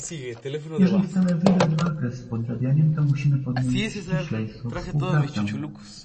Jeżeli chcemy wygrać walkę z podrabianiem to musimy podjąć ściślejszą współpracę